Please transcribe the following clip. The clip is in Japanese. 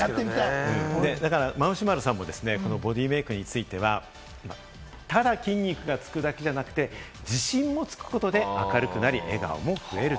マムシ〇さんもボディメイクについては、ただ筋肉がつくだけじゃなくって、自信もつくことで明るくなり、笑顔も増える。